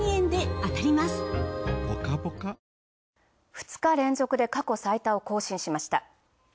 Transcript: ２日連続で過去最多を更新しました。